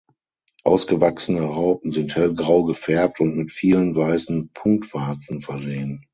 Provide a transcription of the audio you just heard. Ausgewachsene Raupen sind hellgrau gefärbt und mit vielen weißen Punktwarzen versehen.